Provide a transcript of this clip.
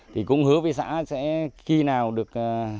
thì cũng hứa với xã sẽ khi nào được